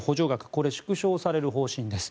これは縮小される方針です。